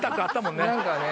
何かね